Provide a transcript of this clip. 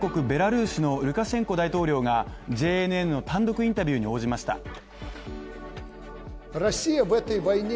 ベラルーシのルカシェンコ大統領がＪＮＮの単独インタビューに応じました。